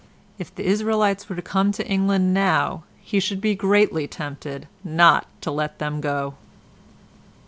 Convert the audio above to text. If the Israelites were to come to England now he should be greatly tempted not to let them go.